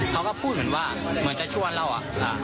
เขาก็พูดเหมือนว่าเหมือนจะชวนเราอะ